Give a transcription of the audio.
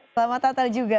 selamat natal juga